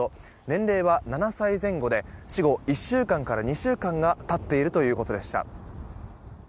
年齢は７歳前後で死後１週間から２週間が経っているということでした。